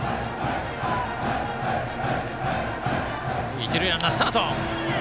一塁ランナー、スタート。